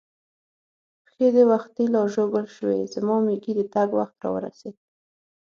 پښې دې وختي لا ژوبل شوې، زما مېږي د تګ وخت را ورسېد.